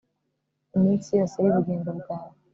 iminsi yose y'ubugingo bwawe